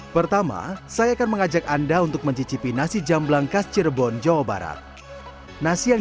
pertama saya akan mengajak anda untuk mencicipi nasi jamblang khas cirebon jawa barat nasi yang